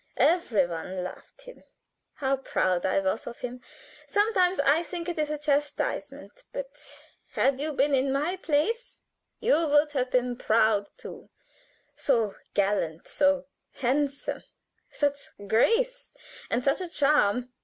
Everyone loved him. How proud I was of him. Sometimes I think it is a chastisement, but had you been in my place you would have been proud too; so gallant, so handsome, such grace, and such a charm.